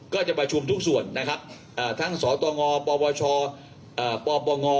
ก็จะประชุมทุกส่วนนะครับทั้งสตงปวชปปง